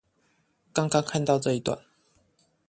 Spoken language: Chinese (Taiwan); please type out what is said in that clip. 剛剛看到這一段